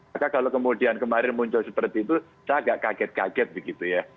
maka kalau kemudian kemarin muncul seperti itu saya agak kaget kaget begitu ya